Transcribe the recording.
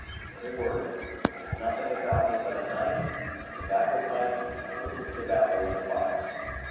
In a word, I had nothing about me but a knife, a tobacco pipe, and a little tobacco in a box.